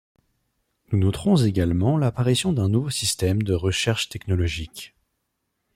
Nous noterons également l'apparition d'un nouveau système de recherche technologique.